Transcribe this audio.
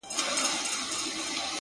• ژر مي باسه له دې ملکه له دې ځایه,